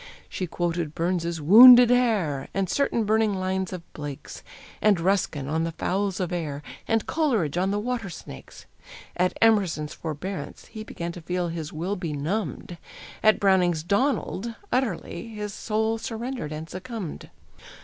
She quoted Burns's "Wounded Hare," And certain burning lines of Blake's, And Ruskin on the fowls of air, And Coleridge on the water snakes. At Emerson's "Forbearance" he Began to feel his will benumbed; At Browning's "Donald" utterly His soul surrendered and succumbed.